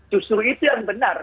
justru itu yang benar